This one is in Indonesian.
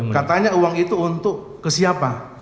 katanya uang itu untuk ke siapa